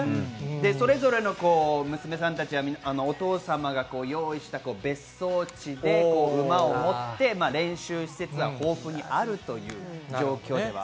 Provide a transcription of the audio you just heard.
それぞれの娘さんたちは、お父様が用意した別荘地で馬を持って練習、施設は豊富にあるということです。